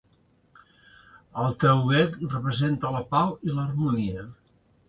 El Taegeuk representa la pau i l'harmonia.